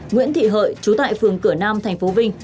nguyễn thị hợi chú tại phường cửa nam tp vinh